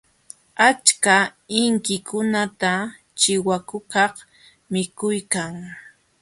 Achka inkikunata chiwakukaq mikuykan.